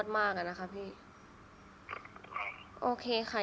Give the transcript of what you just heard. คุณพ่อได้จดหมายมาที่บ้าน